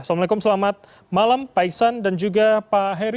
assalamualaikum selamat malam pak iksan dan juga pak heri